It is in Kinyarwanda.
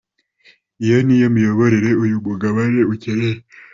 Iyo niyo miyoborere uyu mugabane ukeneye.